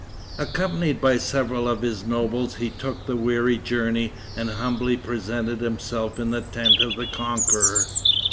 Accompanied by several of his nobles, he took the weary journey, and humbly presented himself in the tent of the conqueror.